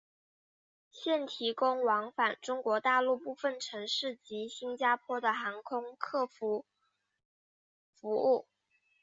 现提供往返中国大陆部分城市及新加坡的航空客运服务。